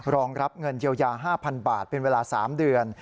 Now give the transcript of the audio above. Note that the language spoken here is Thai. รองรับเงินเยียวยา๕๐๐๐บาทเป็นเวลา๓เดือน